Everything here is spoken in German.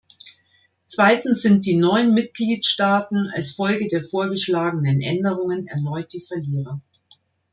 Zweitens sind die neuen Mitgliedstaaten als Folge der vorgeschlagenen Änderungen erneut die Verlierer.